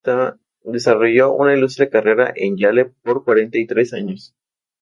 Desarrolló una ilustre carrera en Yale por cuarenta y tres años.